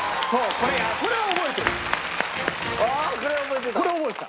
これは覚えてた。